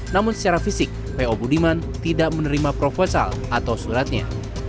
namun secara fisik po budiman tidak menerima proposal atau suratnya